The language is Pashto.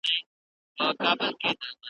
نن به د ایپي د مور چل هېره مرمۍ څه وايي .